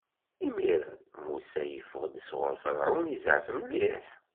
Imiren, Musa yeffeɣ-d sɣur Ferɛun, izɛef mliḥ.